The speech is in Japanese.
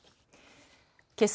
けさ